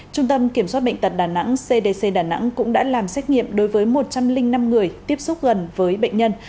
trung tâm kiểm soát bệnh tật đà nẵng cdc đà nẵng cũng đã làm xét nghiệm đối với một trăm linh năm người tiếp xúc gần với bệnh nhân